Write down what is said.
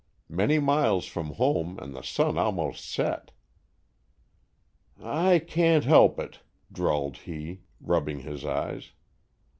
Many miles from home and the sun almost set." "I can't help it," drawled he, rubbing his eyes.